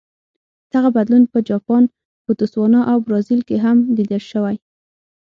دغه بدلون په جاپان، بوتسوانا او برازیل کې هم لیدل شوی.